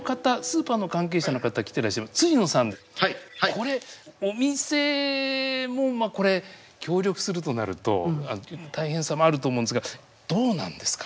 これお店も協力するとなると大変さもあると思うんですがどうなんですか？